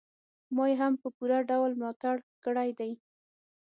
ما يې هم په پوره ډول ملاتړ کړی دی.